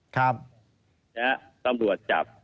ตำรวจจับ